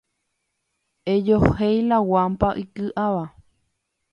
Ejohéi la guampa iky'áva.